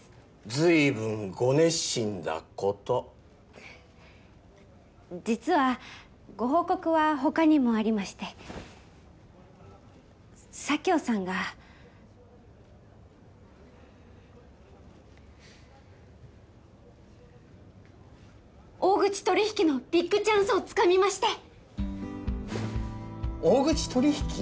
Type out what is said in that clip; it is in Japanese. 随分ご熱心だこと実はご報告はほかにもありまして佐京さんが大口取り引きのビッグチャンスをつかみまして大口取り引き？